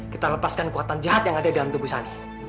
kita lepaskan kekuatan jahat yang ada dalam tubuh sani